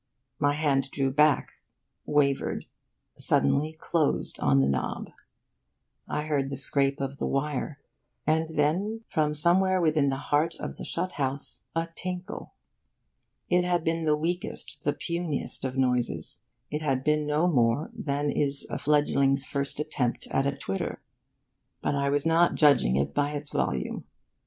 My hand drew back, wavered, suddenly closed on the knob. I heard the scrape of the wire and then, from somewhere within the heart of the shut house, a tinkle. It had been the weakest, the puniest of noises. It had been no more than is a fledgling's first attempt at a twitter. But I was not judging it by its volume.